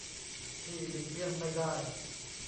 ที่หลีกเลี่ยงไม่ได้